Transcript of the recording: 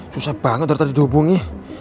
susah banget dari tadi dihubungi